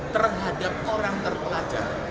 terhadap orang terpelajar